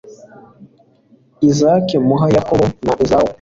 izaki muha yakobo na ezawu